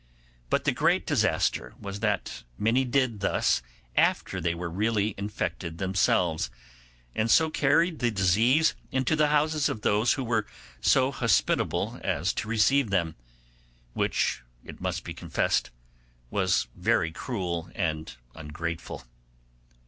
But the great disaster was that many did thus after they were really infected themselves, and so carried the disease into the houses of those who were so hospitable as to receive them; which, it must be confessed, was very cruel and ungrateful.